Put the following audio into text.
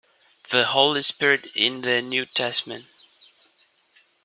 The Holy Spirit in the New Testament.